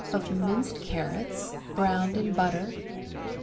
of minced carrots, browned bone). in butter.